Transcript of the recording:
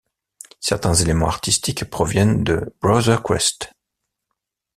Certains éléments artistiques proviennent de BrowserQuest.